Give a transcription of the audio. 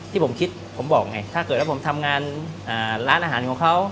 ที่ผมคิดผมบอกไงถ้าเกิดว่าผมทำงานร้านอาหารของเขา